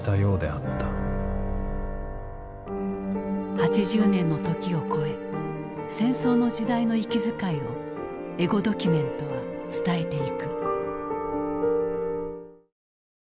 ８０年の時を超え戦争の時代の息遣いをエゴドキュメントは伝えていく。